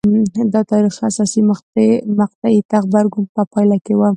دا د تاریخ حساسې مقطعې ته د غبرګون په پایله کې وه